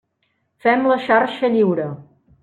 Fem la xarxa lliure.